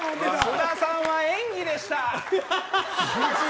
津田さんは演技でした！